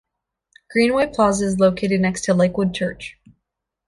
Greenway Plaza is located next to Lakewood Church.